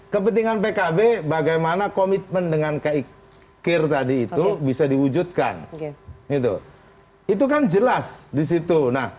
kepentingan pkb bagaimana komitmen dengan kikir tadi itu bisa diwujudkan itu itu kan jelas disitu nah